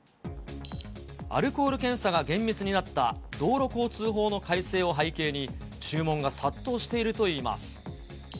アルコール検査が厳密になった道路交通法の改正を背景に、注文が殺到しているといいます。